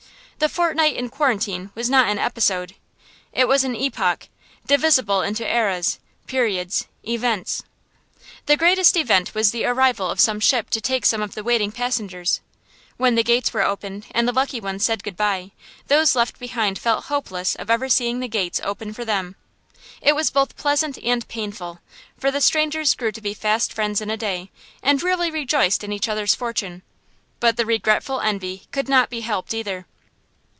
The fortnight in quarantine was not an episode; it was an epoch, divisible into eras, periods, events. The greatest event was the arrival of some ship to take some of the waiting passengers. When the gates were opened and the lucky ones said good bye, those left behind felt hopeless of ever seeing the gates open for them. It was both pleasant and painful, for the strangers grew to be fast friends in a day, and really rejoiced in each other's fortune; but the regretful envy could not be helped either.